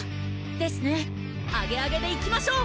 ですねアゲアゲでいきましょう！